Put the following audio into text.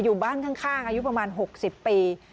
อยู่บ้านข้างอายุประมาณ๖๐ปี